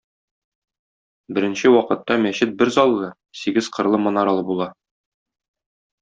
Беренче вакытта мәчет бер заллы, сигез кырлы манаралы була.